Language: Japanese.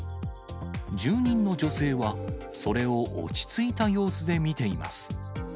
住人の女性はそれを落ち着いた様子で見ています。